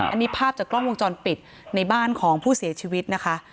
อันนี้ภาพจากกล้องวงจรปิดในบ้านของผู้เสียชีวิตนะคะ